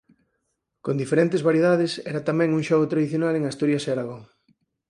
Con diferentes variedades era tamén un xogo tradicional en Asturias e Aragón